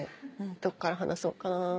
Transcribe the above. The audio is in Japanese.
どっから話そうかな。